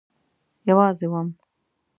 یوازی وم